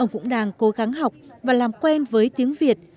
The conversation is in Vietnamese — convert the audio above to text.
ông cũng đang cố gắng học và làm quen với tiếng việt